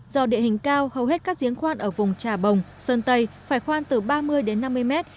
do địa hình cao hầu hết các giếng khoan ở vùng trà bồng sơn tây phải khoan từ ba mươi đến năm mươi mét